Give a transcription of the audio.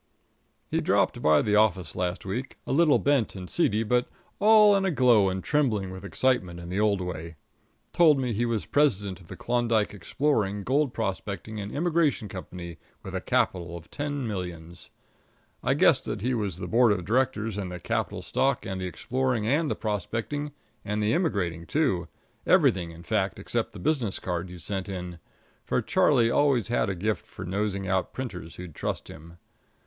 He dropped by the office last week, a little bent and seedy, but all in a glow and trembling with excitement in the old way. Told me he was President of the Klondike Exploring, Gold Prospecting and Immigration Company, with a capital of ten millions. I guessed that he was the board of directors and the capital stock and the exploring and the prospecting and the immigrating, too everything, in fact, except the business card he'd sent in; for Charlie always had a gift for nosing out printers who'd trust him.